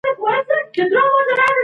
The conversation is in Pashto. هلته به هيڅ رڼا نه وي.